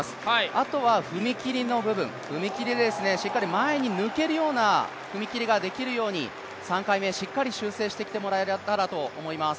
あとは踏み切りの部分、踏み切りでしっかり前に抜けるような踏み切りができるように３回目、しっかり修正してきてもらえたらと思います。